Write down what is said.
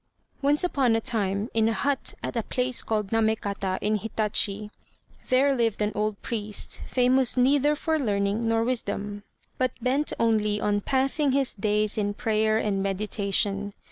Once upon a time, in a hut at a place called Namékata, in Hitachi, there lived an old priest famous neither for learning nor wisdom, but bent only on passing his days in prayer and meditation.